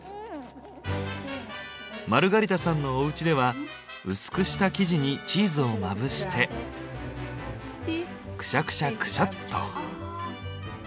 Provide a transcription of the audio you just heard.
マルガリタさんのおうちでは薄くした生地にチーズをまぶしてクシャクシャクシャっと。